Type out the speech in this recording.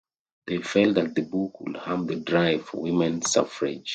They felt that the book would harm the drive for women's suffrage.